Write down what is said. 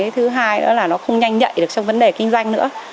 thứ hai nữa là nó không nhanh nhạy được trong vấn đề kinh doanh nữa